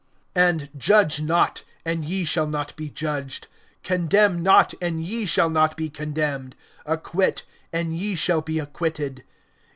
(37)And judge not, and ye shall not be judged; condemn not, and ye shall not be condemned; acquit, and ye shall be acquitted.